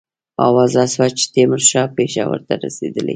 آوازه سوه چې تیمورشاه پېښور ته رسېدلی.